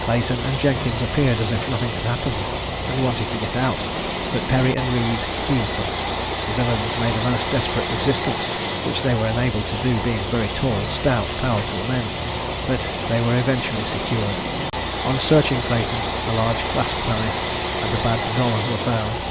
Clayton and Jenkins appeared as if nothing had happened, and wanted to get out; but Perry and Reid seized them. The villains made a most desperate resistance, which they were enabled to do, being very tall, stout, powerful men; but they were eventually secured. On searching Clayton, a large clasp knife and a bad dollar were found.